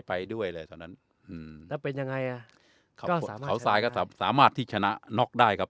ไปด้วยเลยตอนนั้นอืมแล้วเป็นยังไงอ่ะเขาทรายก็สามารถที่ชนะน็อกได้ครับ